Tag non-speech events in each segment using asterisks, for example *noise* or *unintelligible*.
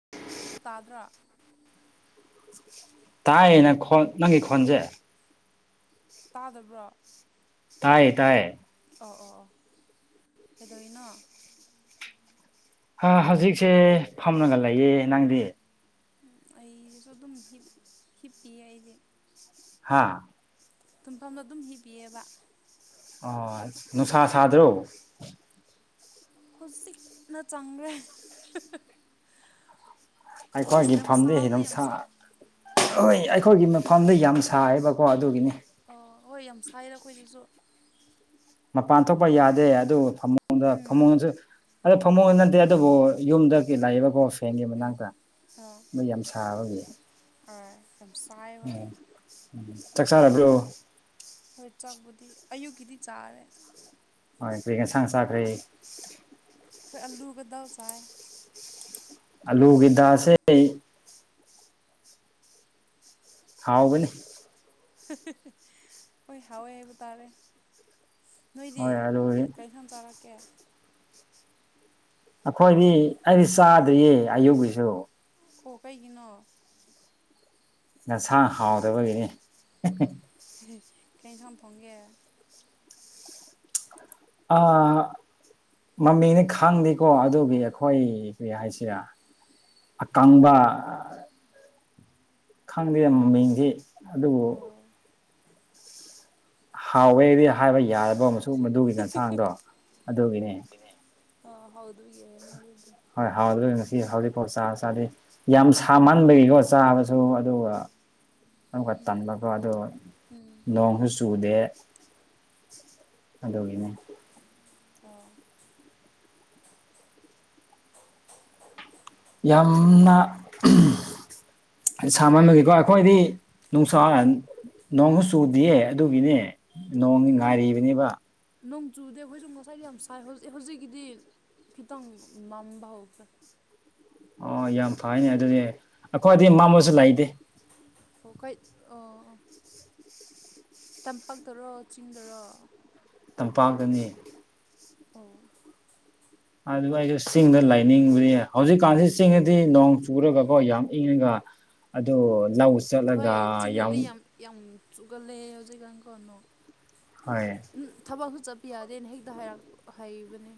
*unintelligible* ꯇꯥꯗ꯭ꯔꯥ ꯇꯥꯏꯌꯦꯅ ꯈꯣꯟ ꯅꯪꯒꯤ ꯈꯣꯟꯁꯦ ꯇꯥꯗꯕ꯭ꯔꯣ? ꯇꯥꯏꯌꯦ ꯇꯥꯏꯌꯦ꯫ ꯑꯣ ꯑꯣ ꯀꯩꯗꯧꯔꯤꯅꯣ꯫ ꯍꯥ ꯍꯧꯖꯤꯛꯁꯦ ꯐꯝꯃꯒ ꯂꯩꯌꯦ ꯅꯪꯗꯤ꯫ ꯑꯩꯁꯨ ꯑꯗꯨꯝ ꯍꯤꯞꯄꯤ ꯑꯩꯗꯤ꯫ ꯍꯥꯥ ꯇꯨꯝꯐꯝ ꯑꯗꯨꯝ ꯍꯤꯄꯤꯌꯦꯕ꯫ ꯑ ꯅꯨꯡꯁꯥ ꯁꯥꯗ꯭ꯔꯣ꯫ ꯍꯧꯖꯤꯛꯅ ꯆꯪꯈ꯭ꯔꯦ꯫ ꯑꯁ ꯑꯩꯈꯣꯏꯒꯤ ꯌꯥꯝ ꯐꯝꯗꯤ ꯁꯥꯕꯗꯤ ꯌꯥꯝ ꯍꯤꯗꯅꯨꯡꯁꯥ꯫ ꯁꯥ ꯍꯣꯏ ꯑꯩꯈꯣꯏꯒꯤ ꯃꯐꯝꯗ ꯌꯥꯝ ꯁꯥꯏꯌꯦꯕꯀꯣ ꯑꯗꯨꯒꯤꯅꯦ꯫ ꯑꯣ ꯍꯣꯏ ꯌꯥꯝ ꯁꯥꯏꯅ ꯑꯩꯈꯣꯏꯗꯁꯨ꯫ ꯃꯄꯥꯟ ꯊꯣꯛꯄ ꯌꯥꯗꯦ ꯑꯗꯨ ꯐꯃꯨꯡꯗ ꯎꯝ ꯐꯃꯨꯡꯁꯨ ꯑꯗꯣ ꯐꯃꯨꯡꯗ ꯅꯠꯇꯦ ꯑꯗꯨꯕꯨ ꯌꯨꯝꯗ ꯂꯥꯛꯏꯕꯀꯣ ꯐꯦꯡꯒꯤ ꯃꯅꯥꯛꯇ꯫ ꯑꯥ ꯌꯥꯝ ꯁꯥꯕꯒꯤ꯫ ꯑꯥ ꯌꯥꯝ ꯁꯥꯏ ꯍꯣꯏ ꯎꯝ ꯆꯥꯛ ꯆꯥꯔꯕꯣ ꯍꯣꯏ ꯆꯥꯛꯕꯨꯗꯤ ꯑꯌꯨꯛꯀꯤꯗꯤ ꯆꯥꯔꯦ꯫ ꯍꯣꯏ ꯀꯩ ꯉꯟꯁꯥꯡ ꯆꯥꯈ꯭ꯔꯦ? ꯑꯩꯈꯣꯏ ꯑꯂꯨꯒ ꯗꯥꯜ ꯆꯥꯏ ꯑꯂꯨꯒꯤ ꯗꯥꯁꯦ ꯍꯥꯎꯕꯅꯤ꯫ ꯍꯣꯏ ꯍꯥꯎꯋꯦ ꯍꯥꯏꯕ ꯇꯥꯔꯦ ꯅꯣꯏꯗꯤ꯫ ꯍꯣꯏ ꯑꯂꯨꯒꯤ ꯏꯊꯦꯟ ꯆꯥꯔꯛꯀꯩ ꯑꯩꯈꯣꯏꯗꯤ ꯑꯩꯗꯤ ꯆꯥꯗ꯭ꯔꯤꯌꯦ ꯑꯌꯨꯛꯀꯤꯁꯨ꯫ ꯑꯣ ꯀꯩꯒꯤꯅꯣ? ꯅꯟꯁꯥꯡ ꯍꯥꯎꯗꯕꯒꯤꯅꯦ꯫ ꯀꯩ ꯏꯟꯁꯥꯡ ꯊꯣꯡꯒꯦ꯫ ꯑꯥ ꯃꯃꯤꯅ‌ꯦ ꯈꯪꯗꯦꯀꯣ ꯑꯗꯨꯒꯤ ꯑꯩꯈꯣꯏ ꯀꯔꯤ ꯍꯥꯏꯁꯤꯔꯥ ꯑꯀꯪꯕ ꯈꯪꯗꯦ ꯃꯃꯤꯡꯗꯤ ꯑꯗꯨꯕꯨ ꯑꯣ ꯍꯥꯎꯋꯦꯗꯤ ꯍꯥꯏꯕ ꯌꯥꯔꯕꯣ ꯃꯁꯨꯛ ꯃꯗꯨꯒꯤ ꯀꯌꯥꯁꯥꯡꯗꯣ ꯑꯗꯨꯒꯤꯅ‌ꯦ ꯑꯣ ꯍꯥꯎꯗ‌ꯣꯏꯒꯤ ꯑꯦꯌ‌ꯦꯅꯦ ꯑꯗꯨꯗꯤ ꯍꯣꯏ ꯍꯥꯎꯗꯨꯔ‌ꯦꯃ‌ꯦ ꯉꯁꯤ ꯍꯧꯖꯤꯛꯐꯥꯎ ꯆꯥ ꯆꯥꯗꯦ ꯌꯥꯝ ꯁꯥꯃꯟꯕꯒꯤꯀꯣ ꯆꯥꯕꯁꯨ ꯑꯗꯨꯒ ꯑꯃꯨꯛꯀ ꯇꯟꯕꯀ‌ꯣ ꯑꯗꯨ ꯅꯣꯡꯁꯨ ꯆꯨꯗꯦ ꯑꯗꯨꯒꯤꯅꯤ ꯑꯣ ꯌꯥꯝꯅ ꯁꯥꯃꯟꯕꯒꯤꯀꯣ ꯑꯩꯈꯣꯏꯗꯤ ꯅꯨꯡꯁꯥꯟ ꯅꯣꯡꯍꯨ ꯆꯨꯗꯤꯌꯦ ꯑꯗꯨꯒꯤꯅꯦ ꯅꯣꯡꯒꯤ ꯅꯨꯡ ꯉꯥꯏꯔꯤꯕꯅꯦꯕ ꯅꯣꯡ ꯆꯨꯗꯦ ꯑꯩꯈꯣꯏꯁꯨ ꯉꯁꯥꯏꯗꯤ ꯌꯥꯝ ꯁꯥꯏ ꯍꯧꯖꯤꯛ ꯍꯧꯖꯤꯛꯀꯤꯗꯤ ꯈꯤꯇꯪ ꯃꯝꯕ ꯍꯧꯈ꯭ꯔꯦ ꯑꯣ ꯌꯥꯝ ꯐꯩꯅꯦ ꯑꯗꯨꯗꯤ ꯑꯩꯈꯣꯏꯗꯤ ꯑꯥ ꯃꯝꯃꯁꯨ ꯂꯩꯇꯦ *unintelligible* ꯑꯣ ꯇꯝꯄꯥꯛꯇꯔꯣ ꯆꯤꯡꯗꯔꯣ ꯇꯝꯄꯥꯛꯇꯅꯤ ꯑꯣ ꯑꯗꯨꯒ ꯑꯩꯗ‌ꯣ ꯆꯤꯡꯗ ꯂꯩꯅꯤꯡꯕꯗꯤ ꯍꯧꯖꯤꯛꯀꯥꯟꯖꯤ ꯆꯤꯡꯗꯗꯤ ꯅꯣꯡ ꯆꯨꯔꯒꯀꯣ ꯌꯥꯝ ꯏꯪꯉꯒ ꯑꯗ‌ꯣ ꯂꯧꯁ ꯍꯣꯏ ꯆꯤꯡꯗꯗꯤ ꯌꯥꯝ ꯌꯥꯝ ꯆꯨꯒꯜꯂ‌ꯦ ꯍꯧꯖꯤꯛꯀꯥꯟꯀ‌ꯣ ꯅꯣꯡ ꯍ‌ꯣꯏ ꯎꯝ ꯊꯕꯛꯁꯨ ꯆꯠꯄ ꯌꯥꯗꯦꯅ ꯍꯦꯛꯇ ꯍꯥꯏꯔꯛꯄ ꯍꯥꯏꯕꯅꯦ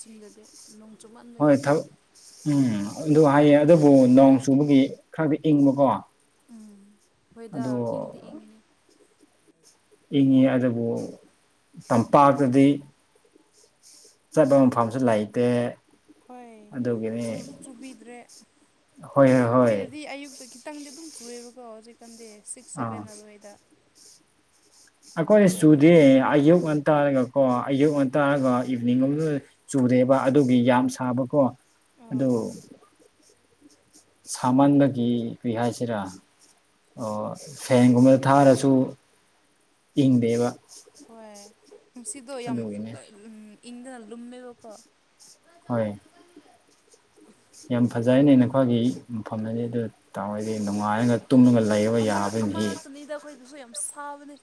ꯆꯤꯡꯗꯗꯤ ꯅꯣꯡ ꯆꯨꯃꯟ ꯍꯣꯏ ꯊꯕꯛ ꯎꯝ ꯑꯗꯨ ꯍꯥꯏꯌꯦ ꯑꯗꯨꯕꯨ ꯅꯣꯡ ꯆꯨꯕꯒꯤ ꯈꯔꯗꯤ ꯏꯪꯕꯀꯣ ꯍꯣꯏꯗ ꯑꯗꯨ ꯏꯪꯗꯤ ꯏꯪꯅꯤ ꯏꯪꯉꯤ ꯑꯗꯨꯕꯨ ꯇꯝꯄꯥꯛꯇꯗꯤ ꯆꯠꯄ ꯃꯐꯝꯁꯨ ꯂꯩꯇꯦ ꯍꯣꯏ ꯑꯗꯨꯒꯤꯅꯤ ꯆꯨꯁꯨ ꯆꯨꯕꯤꯗ꯭ꯔꯦ ꯍꯣꯏ ꯍꯣꯏ ꯍꯣꯏ ꯑꯩꯈꯣꯏꯗꯗꯤ ꯑꯌꯨꯛꯇ ꯈꯤꯠ ꯈꯤꯇꯪꯗꯤ ꯑꯗꯨꯝ ꯆꯨꯑꯦꯕꯀꯣ ꯍꯧꯖꯤꯛꯀꯥꯟꯗꯤ ꯁꯤꯛꯁ ꯑꯥ ꯁꯕꯦꯟ ꯑꯗꯨꯋꯥꯏꯗ ꯑꯩꯈꯣꯏ ꯑꯗꯨꯒ ꯆꯨꯗꯦ ꯅꯨꯡꯊꯤꯟꯗꯤ ꯑꯌꯨꯛ ꯉꯟꯇꯥꯜꯒ ꯀ‌ꯣ ꯑꯌꯨꯛ ꯉꯟꯇꯥꯜꯒ ꯏꯚꯤꯅꯤꯡ ꯉꯝꯅ ꯆꯨꯗꯦꯕ ꯑꯗꯨꯒꯤ ꯌꯥꯝ ꯁꯥꯕꯀꯣ ꯑꯗꯨ ꯑꯥ ꯁꯥꯃꯟꯕꯒꯤ ꯀꯔꯤ ꯍꯥꯏꯁꯤꯔꯥ ꯑꯣ ꯐꯦꯟꯒꯨꯝꯕꯗ ꯊꯥꯔꯁꯨ ꯏꯪꯗꯦꯕ ꯍꯣꯏ ꯅꯨꯡꯁꯤꯗꯣ ꯌꯥꯝ ꯑꯗꯨꯒꯤꯅꯦ ꯏꯪꯗꯅ ꯂꯨꯝꯃꯦꯕꯀꯣ ꯍ‌ꯣꯏ ꯌꯥꯝ ꯐꯖꯩꯅꯦ ꯅꯈ‌ꯣꯏꯒꯤ ꯃꯐꯝꯗꯗꯤ ꯑꯗꯨ ꯇꯥꯍ‌ꯣꯏꯗꯤ ꯅꯨꯡꯉꯥꯏꯔꯒ ꯇꯨꯝꯃꯒ ꯂꯩꯕ ꯌꯥꯕꯅꯤꯍ‌ꯦ ꯑꯩꯈꯣꯏꯗꯨꯁꯨ ꯌꯥꯝ ꯁꯥꯕꯅꯦ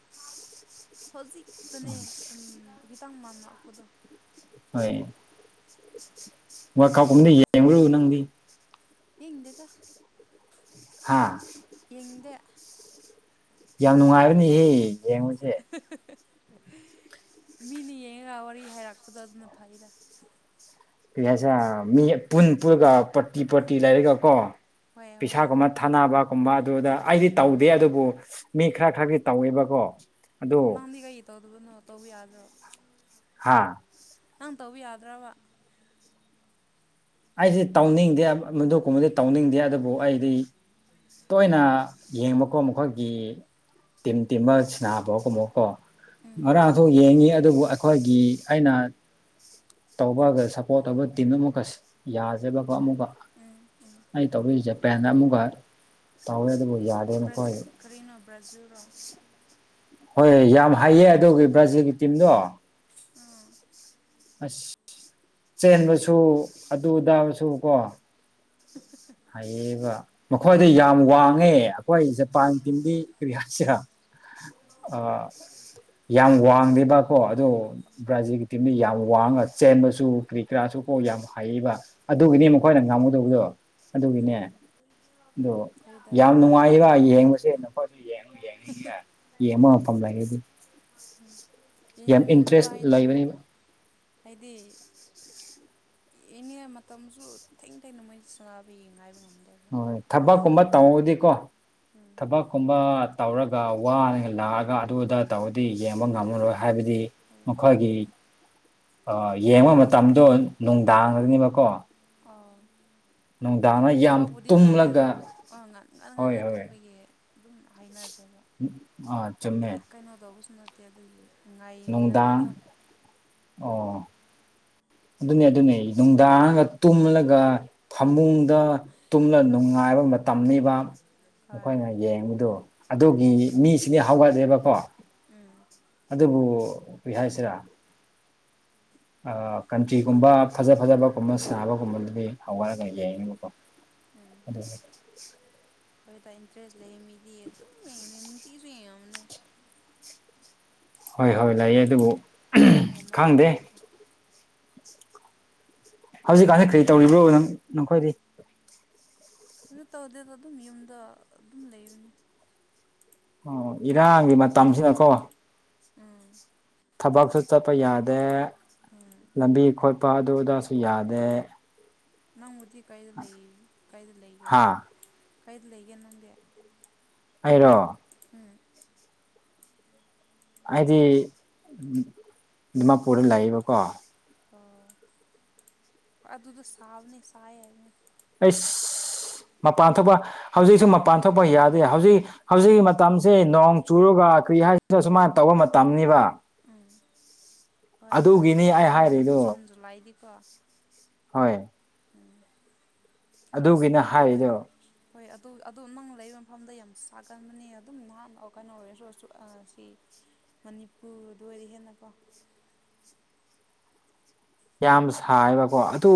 ꯍꯧꯖꯤꯛꯇꯅꯦ ꯎꯝ ꯈꯤꯇꯡ ꯃꯝꯂꯛꯄꯗꯣ ꯍꯣꯏ ꯋꯥꯜ ꯀꯥꯎꯒꯨꯝꯕꯗꯤ ꯌꯦꯡꯕ꯭ꯔ‌ꯣ ꯅꯪꯗꯤ ꯌꯦꯡꯗꯦꯗ ꯍꯥꯥ ꯌꯦꯡꯗꯦ ꯌꯥꯝ ꯅꯨꯡꯉꯥꯏꯕꯅꯤꯍꯦ ꯌꯦꯡꯉꯨꯖ‌ꯦ ꯃꯤꯅ ꯌꯦꯡꯉꯒ ꯋꯥꯔꯤ ꯍꯥꯏꯔꯛꯄꯗꯣ ꯑꯗꯨꯅ ꯐꯩꯗꯥ ꯍꯥꯏꯁꯦꯔꯥ ꯃꯤ ꯄꯨꯟ ꯄꯨꯔꯒ ꯄꯔꯇꯤ ꯄꯔꯇꯤ ꯂꯩꯔꯒꯀꯣ ꯍꯣꯏ ꯍꯣꯏꯗ ꯄꯩꯁꯥꯒꯨꯝꯕꯥ ꯊꯥꯅꯕꯒꯨꯝꯕ ꯑꯗꯨꯗ ꯑꯩꯗꯤ ꯇꯧꯗꯦ ꯑꯗꯨꯕꯨ ꯃꯤ ꯈꯔ ꯈꯔꯗꯤ ꯇꯧꯋꯦꯕꯀꯣ ꯑꯗꯨ ꯅꯪꯗꯤ ꯀꯩ ꯇꯧꯗꯕꯅꯣ ꯇꯧꯕ ꯌꯥꯗ꯭ꯔꯣ ꯍꯥꯥ ꯅꯪ ꯇꯧꯕ ꯌꯥꯗ꯭ꯔꯕ ꯑꯩꯗꯤ ꯇꯥꯎꯅꯤꯡꯗꯦ ꯃꯗꯨ ꯀꯨꯝꯕꯗꯤ ꯇꯧꯅꯤꯡꯗꯦ ꯑꯗꯨꯕꯨ ꯑꯩꯗꯤ ꯇꯣꯏꯅ ꯌꯦꯡꯕꯀꯣ ꯃꯈꯣꯏꯒꯤ ꯇꯤꯝ ꯇꯤꯃ ꯁꯤꯅꯥꯕꯒꯨꯝꯃꯛꯀꯣ ꯉꯥꯡꯊ ꯌꯦꯡꯉꯤ ꯑꯗꯨꯕꯨ ꯑꯩꯈꯣꯏꯒꯤ ꯑꯩꯅ ꯇꯧꯕꯒ ꯁꯞꯄꯣꯔꯠ ꯇꯧꯕ ꯇꯤꯝ ꯑꯃꯨꯛꯀ ꯌꯥꯖꯕꯀꯣ ꯑꯃꯨꯛꯀ ꯑꯩ ꯇꯧꯕꯁꯤ ꯖꯄꯦꯟꯗ ꯑꯃꯨꯛꯀ ꯇꯧꯋꯦ ꯑꯗꯨꯕꯨ ꯌꯥ ꯕ꯭ꯔ ꯀꯔꯤꯅꯣ ꯕ꯭ꯔꯥꯖꯤꯜꯔꯣ ꯍꯣꯏ ꯌꯥꯝ ꯍꯩꯌꯦ ꯑꯗꯨꯒꯤ ꯕ꯭ꯔꯥꯖꯤꯜꯒꯤ ꯇꯤꯝꯗꯣ ꯑꯝ ꯑꯁ ꯆꯦꯟꯕꯁꯨ ꯑꯗꯨ ꯑꯗꯥꯕꯁꯨ ꯀꯣ ꯍꯩꯌꯦꯕꯥ ꯃꯈꯣꯏꯗ ꯌꯥꯝ ꯋꯥꯡꯉꯦ ꯑꯩꯈꯣꯏ ꯖꯄꯥꯟ ꯇꯤꯝꯒꯤ ꯀꯔꯤ ꯍꯥꯏꯁꯤꯔꯥ ꯑ ꯌꯥꯝ ꯋꯥꯡꯗꯦꯕꯀꯣ ꯑꯗꯨ ꯕ꯭ꯔꯥꯖꯤꯜꯒꯤ ꯇꯤꯝꯗ ꯌꯥꯝ ꯋꯥꯡꯉ ꯆꯦꯟꯕꯁꯨ ꯀꯔꯤ ꯀꯔꯥꯁꯨ ꯀꯣ ꯌꯥꯝ ꯍꯩꯕ ꯑꯗꯨꯒꯤꯅꯤ ꯎꯝ ꯃꯈꯣꯏꯅ ꯉꯥꯡꯝꯃꯨꯗꯧꯕꯗꯣ ꯑꯗꯨꯒꯤꯅꯦ ꯎꯝ ꯑꯗꯣ ꯍꯣꯏꯗ ꯌꯥꯝ ꯅꯨꯡꯉꯥꯏꯕ ꯌꯦꯡꯕꯁꯦ ꯅꯪꯈꯣꯏꯁꯨ ꯌꯦꯡꯉꯨ ꯌꯦꯡꯉꯨ ꯌꯦꯡꯕ *unintelligible* ꯌꯥꯝ ꯇꯟꯗꯕ ꯏꯟꯇꯔꯦꯁ ꯍꯥꯏꯇꯥꯔꯦ ꯂꯩꯕꯅꯦꯕ ꯍꯥꯏꯗꯤ ꯌꯦꯡꯅꯤ ꯍꯥꯏ ꯃꯇꯝꯁꯨ ꯊꯦꯡ ꯊꯦꯡꯅ ꯃꯣꯏꯁ ꯁꯥꯟꯅꯥꯕ ꯌꯦꯡ ꯉ ꯍꯥꯏꯕ ꯉꯝꯗꯦ ꯍꯣꯏ ꯊꯕꯛꯀꯨꯝꯕ ꯇꯧꯕꯥꯗꯤꯀꯣ ꯎꯝ ꯊꯕꯛꯀꯨꯝꯕ ꯇꯧꯔꯒ ꯋꯥꯅꯅ ꯂꯥꯛꯑꯒ ꯑꯗꯨꯗ ꯇꯧꯔꯗꯤ ꯌꯦꯡꯕ ꯉꯝꯃꯔꯣꯏ ꯍꯥꯏꯕꯗꯤ ꯍꯥꯏꯗ ꯃꯈꯣꯏꯒꯤ ꯌꯦꯡꯕ ꯃꯇꯝꯗꯣ ꯅꯨꯡꯗꯥꯡꯅꯦꯕꯀꯣ ꯑ ꯌꯥꯝ ꯊꯕꯛꯄꯕꯨꯗꯤ ꯇꯧꯗꯦ ꯇꯨꯝꯂꯒ ꯑꯗꯨꯕꯨ ꯉꯥꯟ ꯉꯥꯟ ꯍꯣꯏ ꯉꯟꯅ ꯍꯣꯏ ꯇꯨꯝꯕꯒꯤ ꯑꯗꯨꯝ ꯍꯥꯏꯅꯗꯦꯕ ꯑꯥ ꯌꯥꯝꯃꯦ ꯆꯨꯝꯃꯦ ꯀꯩꯅꯣ ꯇꯧꯕꯁꯨ ꯅꯠꯇꯦ ꯑꯗꯨꯒꯤ ꯅꯨꯡꯗꯥꯡ ꯉꯥꯏꯅꯕꯗꯣ ꯑꯣ ꯑꯗꯨꯅꯦ ꯑꯗꯨꯅꯦ ꯅꯨꯡꯗꯥꯡꯒ ꯇꯨꯝꯂꯒ ꯐꯃꯨꯡꯗ ꯇꯨꯝꯂ ꯅꯨꯡꯉꯥꯏꯕ ꯃꯇꯝꯅꯤꯕ ꯍꯣꯏ ꯃꯈꯣꯏꯅ ꯌꯦꯡꯕꯗꯨ ꯑꯗꯨꯒꯤ ꯎꯝ ꯃꯤꯁꯤꯗꯤ ꯍꯧꯒꯠꯂꯦꯕꯀꯣ ꯎꯝ ꯑꯗꯨꯕꯨ ꯀꯩ ꯍꯥꯏꯁꯤꯔꯥ ꯀꯟꯇ꯭ꯔꯤꯒꯨꯝꯕ ꯐꯖ ꯐꯖꯕꯒꯨꯝꯕ ꯁꯥꯕꯒꯨꯝꯕꯗꯨꯗꯤ ꯍꯧꯒꯠꯂꯥꯒ ꯌꯦꯡꯅꯦꯕꯀꯣ ꯎꯝ ꯑꯗꯨ ꯍꯣꯏꯗ ꯏꯟꯇꯔꯦꯁ ꯂꯩ ꯃꯤꯗꯤ ꯑꯗꯨꯝ ꯌꯦꯡꯉꯅꯤ ꯅꯨꯡꯇꯤꯁꯨ ꯌꯦꯡꯉꯝꯅꯦ ꯍꯣꯏ ꯍꯣꯏ ꯂꯩꯑꯦ ꯑꯗꯨꯕꯨ ꯑꯦꯂꯔꯒꯨꯝꯕ ꯈꯪꯗꯦ ꯊꯥꯔꯔꯒꯦ ꯍꯧꯖꯤꯛꯀꯥꯟꯁꯤ ꯀꯔꯤ ꯇꯧꯔꯤꯕ꯭ꯔꯣ ꯅꯪ ꯅꯈꯣꯏꯗꯤ ꯑꯗꯨ ꯇꯧꯗꯦꯗ ꯑꯗꯨꯝ ꯌꯨꯝꯗ ꯑꯗꯨꯝ ꯂꯩꯕꯅꯤ ꯑꯣ ꯏꯔꯥꯡꯒꯤ ꯃꯇꯝꯁꯤꯅꯀꯣ ꯑ ꯊꯕꯛꯁꯨ ꯆꯠꯄ ꯌꯥꯗꯦ ꯎꯝ ꯂꯝꯕꯤ ꯈꯣꯠꯄ ꯑꯗꯨ ꯑꯗꯥꯁꯨ ꯌꯥꯗꯦ ꯅꯪ ꯍꯨꯖꯤꯛ ꯀꯩꯗ ꯂꯩ ꯀꯩꯗ ꯂꯩꯒꯦ ꯍꯥ ꯀꯩꯗ ꯂꯩꯒꯦ ꯅꯪꯗꯤ ꯑꯩꯔꯣ *unintelligible* ꯑꯩꯗꯤ ꯗꯤꯃꯥꯄꯨꯔꯗ ꯂꯩꯕꯀꯣ ꯑꯣ *unintelligible* ꯑꯗꯨꯗꯣ ꯁꯥꯕꯅꯦ ꯁꯥꯏ ꯍꯥꯏꯕꯅꯦ ꯑꯩꯁ ꯃꯄꯥꯟ ꯊꯣꯛꯄ ꯍꯧꯖꯤꯛꯁꯨ ꯃꯄꯥꯟ ꯊꯣꯛꯄ ꯌꯥꯗꯦ ꯍꯧꯖꯤꯛ ꯍꯧꯖꯤꯛꯀꯤ ꯃꯇꯝꯁꯦ ꯅꯣꯡ ꯆꯨꯔꯒ ꯀꯔꯤ ꯍꯥꯏꯁꯤꯔ ꯁꯨꯃꯥꯏꯟ ꯇꯧꯕ ꯃꯇꯝꯅꯤꯕ ꯎꯝ ꯍꯣꯏ ꯍꯣꯏ ꯑꯗꯨꯒꯤꯅꯤ ꯑꯩ ꯖꯨꯟ ꯍꯥꯏꯔꯤꯗꯣ ꯖꯨꯟ ꯖꯨꯂꯥꯏꯗꯤꯀꯣ ꯍꯣꯏ ꯎꯝ ꯑꯁ ꯑꯗꯨꯒꯤꯅ ꯑꯗꯨ ꯍꯣꯏ ꯍꯥꯏꯔꯤꯗꯣ ꯍꯣꯏ ꯑꯗꯨ ꯑꯗꯨ ꯅꯪ ꯂꯩꯕ ꯃꯐꯝꯗ ꯌꯥꯝ ꯁꯥꯒꯟꯕꯅꯦ ꯑꯗꯨꯝ ꯅꯍꯥꯟ ꯀꯩꯅꯣ ꯑꯣꯏꯔꯁꯨ ꯑꯥ ꯁꯤ ꯃꯅꯤꯄꯨꯔꯗꯣ ꯑꯣꯏꯗꯤ ꯍꯦꯟꯅꯀꯣ ꯌꯥꯝ ꯁꯥꯏꯑꯕꯀꯣ ꯑꯗꯨ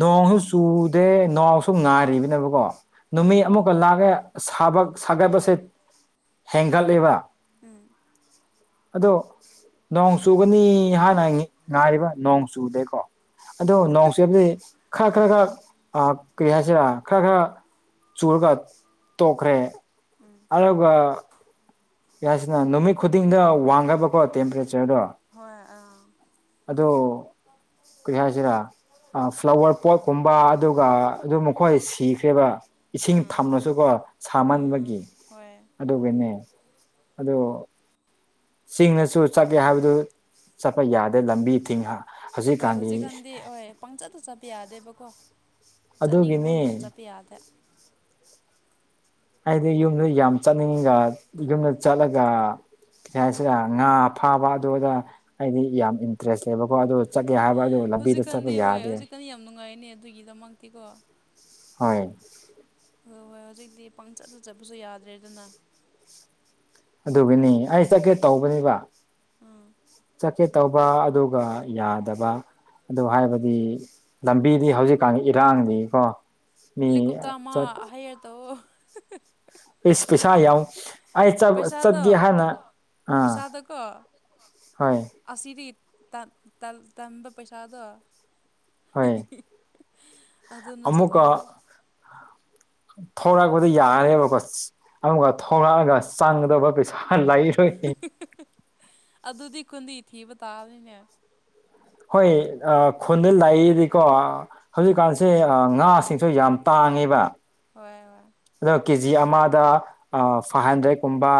ꯅꯣꯡꯁꯨ ꯆꯨꯗꯦ ꯅ‌ꯣꯡꯁꯨ ꯉꯥꯔꯤꯕꯅꯦꯕꯀꯣ ꯅꯨꯃꯤꯠ ꯑꯣ ꯑꯃꯨꯛ *unintelligible* ꯂꯥꯒꯦ ꯁꯥꯕ ꯁꯥꯒꯠꯄꯁꯦ ꯍꯦꯟꯒꯠꯂꯦꯕ ꯑꯗꯣ ꯅꯣꯡ ꯆꯨꯒꯅꯤ ꯍꯥꯏꯅ ꯉꯦ ꯉꯥꯏꯔꯤꯕ ꯅꯣꯡ ꯆꯨꯗꯦ ꯀꯣ ꯑꯗꯣ ꯅꯣꯡ ꯆꯨꯕꯗꯤ ꯈꯔ ꯈꯔ ꯈꯔ ꯑꯥ ꯀꯔꯤ ꯍꯥꯏꯁꯤꯔꯥ ꯈꯔ ꯈꯔ ꯆꯨꯔꯒ ꯇꯣꯛꯈ꯭ꯔꯦ ꯑꯗꯨꯒ ꯀꯔꯤ ꯍꯥꯏꯁꯤꯅ ꯅꯨꯃꯤꯠ ꯈꯨꯗꯤꯡꯗ ꯋꯥꯡꯒꯕꯀꯣ ꯇꯦꯝꯄꯔꯦꯆꯔꯗꯣ ꯍꯣꯏ ꯑꯥ ꯑꯗꯣ ꯀꯔꯤ ꯍꯥꯏꯁꯤꯔꯥ ꯑꯥ ꯐ꯭ꯂꯥꯋꯔ ꯄꯣꯠꯀꯨꯝꯕ ꯑꯗꯨꯒ ꯑꯗꯨꯝ ꯃꯈꯣꯏ ꯁꯤꯈ꯭ꯔꯦꯕ ꯏꯁꯤꯡ ꯊꯝꯔꯁꯨꯀꯣ ꯁꯥꯃꯟꯕꯒꯤ ꯍꯣꯏ ꯑꯗꯨꯒꯤꯅꯦ ꯑꯗꯣ ꯆꯤꯡꯗꯁꯨ ꯆꯠꯀꯦ ꯍꯥꯏꯕꯗꯨ ꯆꯠꯄ ꯌꯥꯗꯦ ꯂꯝꯕꯤ ꯊꯤꯡꯉꯤ ꯍꯥ ꯍꯣꯏ ꯍꯧꯖꯤꯛꯀꯥꯟꯗꯤ ꯍ‌ꯣꯏ ꯄꯪꯆꯠꯇ ꯆꯠꯄ ꯌꯥꯗꯦꯕꯀꯣ ꯆꯠꯅꯤꯡꯕ ꯑꯗꯨꯒꯤꯅꯤ ꯃꯐꯝꯗꯁꯨ ꯆꯠꯄ ꯌꯥꯗꯦ ꯑꯩꯗꯤ ꯌꯨꯝꯗ ꯌꯥꯝ ꯆꯠꯅꯤꯡꯉꯒ ꯌꯨꯝꯗ ꯆꯠꯂꯒ ꯀꯩ ꯍꯥꯏꯁꯤꯔ ꯉꯥ ꯐꯥꯕ ꯑꯗꯨ ꯑꯗꯥ ꯑꯩꯗꯤ ꯌꯥꯝ ꯏꯟꯇꯔꯦꯁ ꯂꯩꯕꯀꯣ ꯑꯗꯨ ꯆꯠꯀꯦ ꯍꯥꯏꯕ ꯑꯗꯨ ꯂꯝꯕꯤꯗ ꯆꯠꯄ ꯍꯧꯖꯤꯛꯀꯥꯟꯗꯤ ꯍꯣꯏ ꯌꯥꯗꯦ ꯍꯧꯖꯤꯛꯀꯥꯟꯗꯤ ꯌꯥꯝ ꯅꯨꯡꯉꯥꯏꯅꯦ ꯑꯗꯨꯒꯤꯗꯃꯛꯇꯤꯀꯣ ꯍ‌ꯣꯏ ꯍ‌ꯣꯏ ꯍꯣꯏ ꯍꯧꯖꯤꯛꯇꯤ ꯄꯪꯆꯠꯇ ꯆꯠꯄꯁꯨ ꯌꯥꯗ꯭ꯔꯦꯗꯅ ꯑꯗꯨꯒꯤꯅꯤ ꯑꯩ ꯆꯠꯀꯦ ꯇꯧꯕꯅꯤꯕ ꯑ ꯆꯠꯀꯦ ꯇꯧꯕ ꯑꯗꯨꯒ ꯌꯥꯗꯕ ꯑꯗꯨ ꯍꯥꯏꯕꯗꯤ ꯂꯝꯕꯤꯗꯤ ꯍꯧꯖꯤꯛꯀꯥꯟꯒꯤ ꯏꯔꯥꯡ ꯂꯩꯀꯣ ꯍꯦꯂꯤꯀꯣꯞꯇ‍꯭ꯔ ꯑꯃ ꯍꯩꯌꯦ ꯇ‌ꯧꯋꯣ ꯏꯁ ꯄꯩꯁꯥ ꯌꯥꯝ ꯑꯩ ꯆꯠ ꯄꯩꯁꯥꯗꯣ ꯆꯠꯀ‌ꯦ ꯍꯥꯏꯅ ꯑꯥ ꯍꯣꯏ ꯑꯁꯤꯗꯤ ꯇꯟ ꯇꯟ ꯇꯟꯕ ꯄꯩꯁꯥꯗꯣ ꯑꯗꯨꯅ ꯑꯃꯨꯛꯀꯥ ꯆꯠꯂꯣꯕ ꯊ‌ꯣꯔꯛꯄꯗꯨ ꯌꯥꯔꯅ‌ꯦꯕꯀꯣ ꯑꯃꯨꯛꯀ ꯊꯣꯔꯛꯑꯒ ꯆꯪꯒꯗꯕ ꯄꯩꯁꯥ ꯍꯥ *unintelligible* ꯑꯗꯨꯗꯤ ꯀꯨꯟꯗꯤ ꯊꯤꯕ ꯇꯥꯕꯅꯤꯅꯦ ꯍꯣꯏ ꯑꯥ ꯈꯨꯟꯗ ꯂꯩꯔꯗꯤꯀꯣ ꯍꯧꯖꯤꯛꯀꯥꯟꯁꯦ ꯉꯥ ꯁꯤꯡ ꯁꯨ ꯌꯥꯝ ꯇꯥꯡꯉꯦꯕ ꯍꯣꯏ ꯍ‌ꯣꯏ ꯑꯗꯨ ꯀꯦꯖꯤ ꯑꯃꯗ ꯑꯥ ꯐꯥꯏꯚ ꯍꯟꯗ꯭ꯔꯦꯗꯀꯨꯝꯕ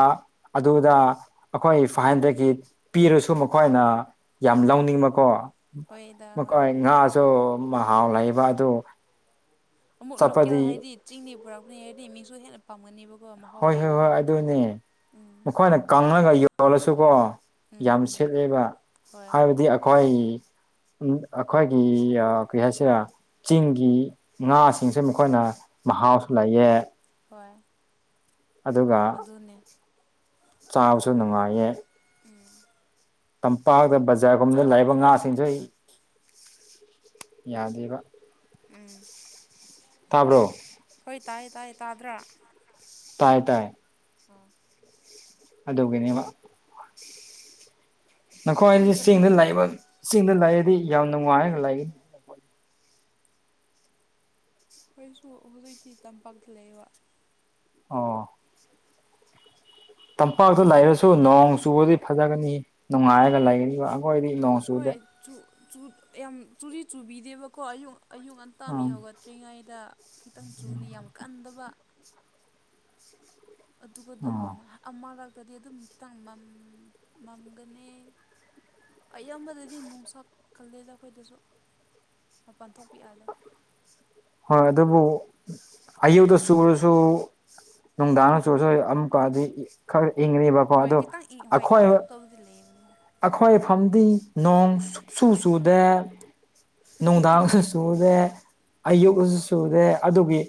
ꯑꯗꯨꯗ ꯑꯩꯈꯣꯏ ꯐꯥꯏꯚ ꯍꯟꯗ꯭ꯔꯦꯗꯀꯤ ꯄꯤꯔꯁꯨ ꯃꯈꯣꯏꯅ ꯌꯥꯝ ꯂꯧꯅꯤꯡꯕꯀꯣ ꯍꯣꯏꯗ ꯍꯣꯏ ꯃꯈꯣꯏ ꯉꯥꯁꯨ ꯃꯍꯥꯎ ꯂꯩꯕ ꯑꯗꯨ ꯑꯃꯨꯛ ꯂꯣꯀꯦꯜ ꯆꯠꯄꯗꯤ ꯍꯥꯏꯗꯤ ꯆꯤꯡꯗꯩ ꯄꯨꯔꯛꯄꯅ‌ꯦ ꯍꯥꯏꯔꯗꯤ ꯃꯤꯁꯨ ꯍꯦꯟꯅ ꯄꯥꯝꯒꯅꯦꯕꯀꯣ ꯃꯍꯥꯎ ꯍꯣꯏ ꯍꯣꯏ ꯂꯩꯕꯒꯤ ꯍꯣꯏ ꯑꯗꯨꯅꯦ ꯎꯝ ꯃꯈꯣꯏꯅ ꯀꯪꯉꯒ ꯌꯣꯜꯂꯁꯨꯀꯣ ꯎꯝ ꯌꯥꯝ ꯎꯝ ꯁꯤꯠꯂꯦꯕ ꯍꯣꯏ ꯍꯥꯏꯕꯗꯤ ꯑꯩꯈꯣꯏ ꯎꯝ ꯑꯩꯈꯣꯏꯒꯤ ꯑꯥ ꯀꯩ ꯍꯥꯏꯁꯤꯔ ꯆꯤꯡꯒꯤ ꯉꯥꯁꯤꯡꯁꯦ ꯃꯈꯣꯏꯅ ꯃꯍꯥꯎꯁꯨ ꯂꯩꯌꯦ ꯍꯣꯏ ꯑꯗꯨꯒ ꯑꯗꯨꯅꯦ ꯆꯥꯕꯁꯨ ꯅꯨꯡꯉꯥꯏꯌꯦ ꯎꯝ ꯇꯝꯄꯥꯛꯀ ꯕꯖꯥꯔꯒꯨꯝꯕꯗ ꯂꯩꯏꯕ ꯉꯥꯁꯤꯡꯁꯨ ꯌꯥꯗꯦꯕ ꯎꯝ ꯇꯥꯕ꯭ꯔꯣ ꯍꯣꯏ ꯇꯥꯏꯌꯦ ꯇꯥꯏꯌꯦ ꯇꯥꯗ꯭ꯔꯥ ꯇꯥꯏ ꯇꯥꯏ ꯑꯣ ꯑꯗꯨꯒꯤꯅꯦꯕ ꯃꯊꯪ ꯅꯈꯣꯏꯗꯤ ꯆꯤꯡꯗ ꯃꯊꯪ ꯂꯩꯕ ꯆꯤꯡꯗ ꯂꯩꯔꯗꯤ ꯌꯥꯝ ꯅꯨꯡꯉꯥꯏꯔꯒ ꯂꯩꯒꯅꯤ ꯑꯩꯈꯣꯏꯁꯨ ꯍꯧꯖꯤꯛꯇꯤ ꯇꯝꯄꯥꯛꯇ ꯂꯩꯌꯦꯕ ꯑꯣꯥ ꯇꯝꯄꯥꯛꯇ ꯃꯊꯪ ꯂꯩꯔꯁꯨ ꯅꯣꯡ ꯆꯨꯕꯗꯤ ꯐꯖꯒꯅꯤ ꯅꯨꯡꯉꯥꯏꯔꯒ ꯂꯩꯒꯅꯤꯕ ꯑꯩꯈꯣꯏꯗꯤ ꯅꯣꯡ ꯆꯨꯗꯦ ꯆꯨ ꯆꯨ ꯌꯥꯝ ꯆꯨꯗꯤ ꯆꯨꯕꯤꯗꯦꯕꯀꯣ ꯑꯌꯨꯛ ꯑꯌꯨꯛ ꯉꯟ ꯇꯥ ꯃꯤ ꯎꯝ ꯍꯧꯒꯠꯇ꯭ꯔꯤꯉꯩꯗ ꯈꯤꯇꯪ ꯆꯨꯅꯤ ꯌꯥꯝ ꯀꯟꯗꯕ ꯑꯗꯨꯒ ꯑꯗꯨꯝ ꯎꯝ ꯑꯃꯔꯛꯇꯗꯤ ꯑꯗꯨꯝ ꯈꯤꯇꯪ ꯃꯝ ꯃꯝꯒꯅꯤ ꯑꯌꯥꯝꯕꯗꯗꯤ ꯅꯨꯡꯁꯥ ꯀꯜꯂꯦꯗ ꯑꯩꯈꯣꯏꯗꯁꯨ ꯃꯄꯥꯟ ꯊꯣꯛꯄ ꯌꯥꯗꯦ ꯍꯣꯏ ꯑꯗꯨꯕꯨ ꯑꯌꯨꯛꯇ ꯆꯨꯔꯁꯨ ꯅꯨꯡꯗꯥꯡꯗ ꯆꯨꯔꯁꯨ ꯑꯃꯨꯛꯀꯗꯤ ꯈꯔ ꯏꯪꯒꯅꯦꯕ ꯍꯣꯏ ꯈꯤꯇꯪ ꯏꯪ ꯍꯣꯏ ꯏꯪ ꯇꯛꯇꯧꯕꯗꯤ ꯂꯩꯌꯦꯗꯅ ꯑꯩꯈꯣꯏꯐꯝꯗꯤ ꯅꯣꯡ ꯁꯨꯛ ꯆꯨ ꯆꯨꯗꯦ ꯅꯨꯡꯗꯥꯡꯁꯨ ꯆꯨꯗꯦ ꯑꯥ ꯑꯌꯨꯛꯁꯨ ꯆꯨꯗꯦ ꯑꯗꯨꯒꯤ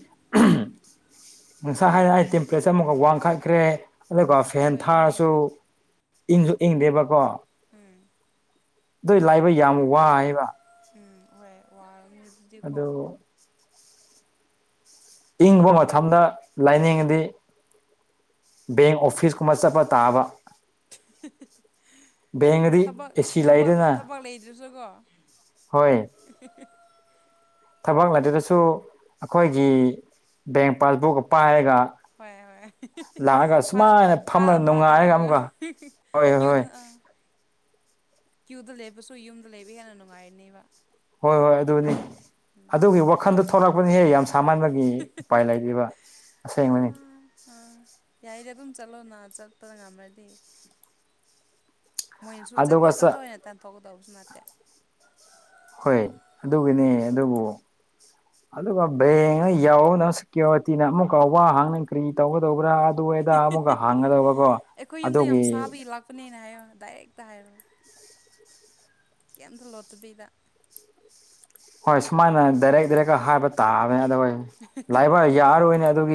ꯉꯁꯥꯏ ꯍꯥꯏꯔ ꯍꯥꯏ ꯇꯦꯝꯄꯔꯦꯆꯔ ꯑꯃꯨꯛꯀ ꯋꯥꯡꯈꯠꯈ꯭ꯔꯦ ꯑꯗꯨꯒ ꯐꯦꯟ ꯍꯣꯏ ꯊꯥꯔꯁꯨ ꯅꯣꯏꯁꯦ ꯏꯪꯁꯨ ꯏꯪꯗꯦꯕꯀꯣ ꯎꯝ ꯑꯗꯨꯏ ꯂꯥꯏꯕ ꯌꯥꯝ ꯋꯥꯏꯑꯦꯕ ꯎꯝ ꯍꯣꯏ ꯋꯥꯔꯝꯅꯤ ꯑꯗꯨꯗꯤꯀꯣ ꯑꯗꯨ ꯏꯪꯕ ꯃꯇꯝꯗ ꯂꯥꯏꯅꯤꯡꯗꯤ ꯕꯦꯡ ꯑꯣꯐꯤꯁ ꯀꯨꯝꯕ ꯆꯠꯄ ꯇꯥꯕ ꯕꯦꯡꯗꯗꯤ ꯊꯕꯛ ꯑꯦꯁꯤ ꯊꯕꯛ ꯂꯩꯗꯅ ꯊꯕꯛ ꯂꯩꯗ꯭ꯔꯁꯨꯀꯣ ꯍꯣꯏ ꯊꯕꯛ ꯂꯩꯗ꯭ꯔꯒꯁꯨ ꯑꯩꯈꯣꯏꯒꯤ ꯕꯦꯡ ꯄꯥꯁꯕꯨꯛꯀ ꯄꯥꯏꯔꯒ ꯍꯣꯏ ꯍꯣꯏ ꯂꯥꯛꯑꯒ ꯐꯥꯏꯜ ꯁꯨꯃꯥꯏꯅ ꯐꯥꯏꯜ ꯐꯝꯂ ꯑꯃ ꯅꯨꯡꯉꯥꯏꯔꯒ ꯊꯝꯔꯒ ꯑꯃꯨꯛꯀ ꯍꯣꯏ ꯍꯣꯏ ꯀ꯭ꯌꯨꯗ ꯂꯦꯞꯔꯁꯨ ꯌꯨꯝꯗ ꯂꯩꯕ ꯍꯦꯟꯅ ꯅꯨꯡꯉꯥꯏꯔꯅꯦꯕ ꯍꯣꯏ ꯍꯣꯏ ꯑꯗꯨꯅꯤ ꯑꯗꯨꯒꯤ ꯋꯥꯈꯟꯗꯣ ꯊꯣꯛꯂꯛꯄꯅꯤꯍꯦ ꯌꯥꯝ ꯁꯥꯃꯟꯕꯒꯤ ꯎꯄꯥꯏ ꯂꯩꯗꯔ꯭ꯤꯕ ꯑꯁꯦꯡꯕꯅꯤ ꯑꯥ ꯑꯥ ꯌꯥꯏꯗ ꯑꯗꯨꯝ ꯆꯠꯂꯣꯅ ꯆꯠꯄꯗ ꯉꯝꯔꯗꯤ ꯃꯣꯏꯅꯁꯨ ꯆꯠꯂꯣ ꯑꯗꯨꯒ ꯆꯠꯂꯣ ꯆꯠ ꯍꯥꯏꯅ ꯇꯥꯟꯊꯣꯛꯀꯗꯧꯕꯁꯨ ꯅꯠꯇꯦ ꯍꯣꯏ ꯑꯗꯨꯒꯤꯅꯦ ꯑꯗꯨꯕꯨ ꯑꯗꯨꯒ ꯕꯦꯡꯅ ꯌꯥꯎꯅ ꯁꯦꯀ꯭ꯌꯨꯔꯤꯇꯤꯅ ꯑꯃꯨꯛꯀ ꯋꯥ ꯍꯥꯡꯅꯤ ꯀꯔꯤ ꯇꯧꯒꯗꯧꯕ꯭ꯔꯥ ꯑꯗꯨ ꯑꯦꯗꯥ ꯑꯃꯨꯛꯀ ꯍꯥꯡꯒꯗꯧꯕꯀꯣ ꯑꯩꯈꯣꯏ ꯌꯨꯝꯗ ꯌꯥꯝ ꯑꯗꯨꯒꯤ ꯁꯥꯕꯒꯤ ꯂꯥꯞ ꯄꯅꯦꯅ ꯍꯥꯏꯌꯣ ꯗꯥꯏꯔꯦꯛꯇ ꯍꯥꯏꯔꯣ ꯀꯩꯝꯇ ꯂꯣꯠꯇꯕꯤꯗ ꯍꯣꯏ ꯁꯨꯃꯥꯏꯅ ꯗꯥꯏꯔꯦꯛ ꯗꯥꯏꯔꯦꯛꯀ ꯍꯥꯏꯕ ꯇꯥꯕ *unintelligible* ꯂꯥꯏꯕ ꯌꯥꯔꯔꯣꯏꯅꯦ